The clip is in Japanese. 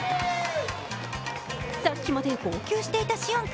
さっきまで号泣していた師園君。